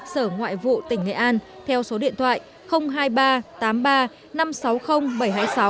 sở ngoại vụ tỉnh nghệ an theo số điện thoại hai mươi ba tám mươi ba năm trăm sáu mươi